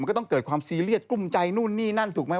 ก็ต้องเกิดความซีเรียสกลุ้มใจนู่นนี่นั่นถูกไหม